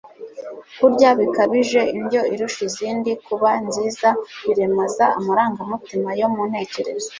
kurya bikabije indyo irusha izindi kuba nziza biremaza amarangamutima yo mu ntekerezo